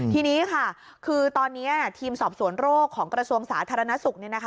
ทีนี้ค่ะคือตอนนี้ทีมสอบสวนโรคของกระทรวงสาธารณสุข